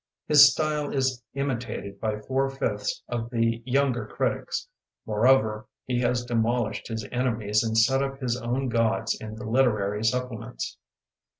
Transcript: His style is imitated by four flfths of the younger critics — ^moreover he ^has demolished his enemies and set up his own gods in the literary supplements.